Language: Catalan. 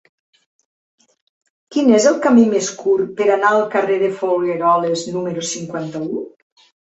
Quin és el camí més curt per anar al carrer de Folgueroles número cinquanta-u?